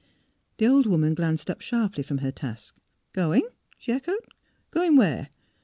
The old woman glanced up sharply from her task. " Going! " she echoed. " Going where?